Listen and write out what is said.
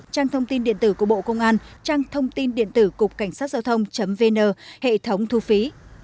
trang thông tin điện tử của bộ công an trang thông tin điện tử cục cảnh sát giao thông vn hệ thống thu phí